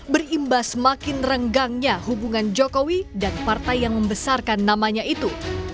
berimbas semakin renggangnya hubungan jokowi dan partai yang membesarkan namanya itu